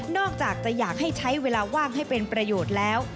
อกจากจะอยากให้ใช้เวลาว่างให้เป็นประโยชน์แล้ว